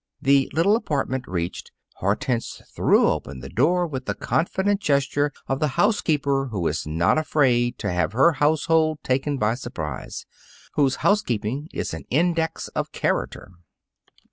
The little apartment reached, Hortense threw open the door with the confident gesture of the housekeeper who is not afraid to have her household taken by surprise whose housekeeping is an index of character.